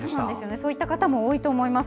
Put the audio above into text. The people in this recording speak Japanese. そういった方も多いと思います。